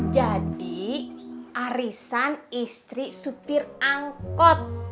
jadi arisan istri supir angkot